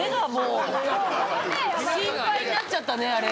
心配になっちゃったねあれ。